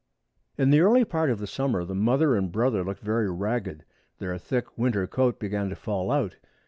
In the early part of the summer the mother and brother looked very ragged. Their thick winter coat began to fall out.